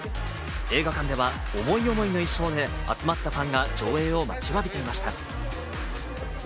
映画館では思い思いの衣装で集まったファンが上映を待ちわびていました。